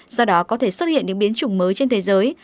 do đó có thể xuất hiện những biến chủng mới trên thế giới